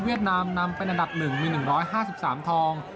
เวียดนามนำไปอันดับหนึ่งมี๑๕๓ทอง